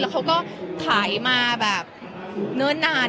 แล้วเขาก็ถ่ายมาแบบเนิ่นนาน